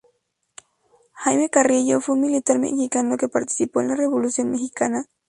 Jaime Carrillo fue un militar mexicano que participó en la Revolución mexicana.